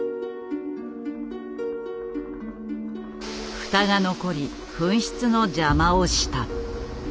フタが残り噴出の邪魔をした。